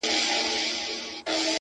• خداى دي له بدوسترگو وساته تل؛